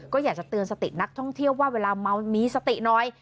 ก็อยากจะเตือนสตินักท่องเที่ยวว่าเวลาเมามีสติน้อย